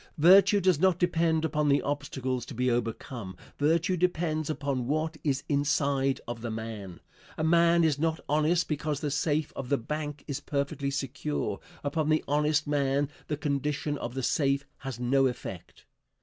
Virtue does not depend upon the obstacles to be overcome; virtue depends upon what is inside of the man. A man is not honest because the safe of the bank is perfectly secure. Upon the honest man the condition of the safe has no effect.